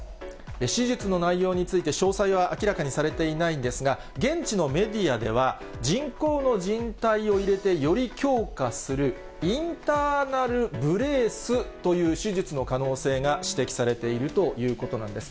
手術の内容について、詳細は明らかにされていないんですが、現地のメディアでは、人工のじん帯を入れて、より強化する、インターナル・ブレースという手術の可能性が指摘されているということなんです。